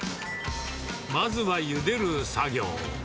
まずは、ゆでる作業。